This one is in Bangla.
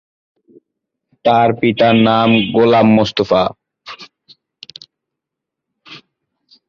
তার পিতার নাম গোলাম মোস্তফা।